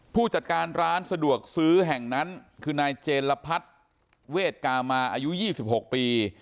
ผู้จัดการร้านสะดวกซื้อแห่งนั้นคือนายเจลพัฒน์เวทกามาอายุ๒๖ปี